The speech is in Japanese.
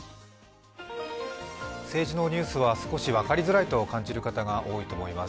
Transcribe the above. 政治のニュースは少しわかりづらいと感じる人が多いと思います。